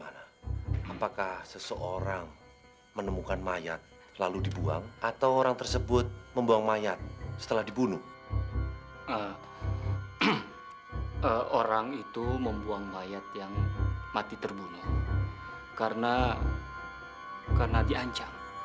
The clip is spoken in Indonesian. sampai jumpa di video selanjutnya